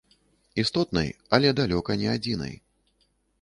Істотнай, але далёка не адзінай.